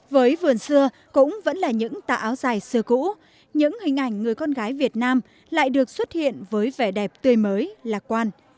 với vườn xưa cũng vẫn là những tà áo dài xưa cũ những hình ảnh người con gái việt nam lại được xuất hiện với vẻ đẹp tươi mới lạc quan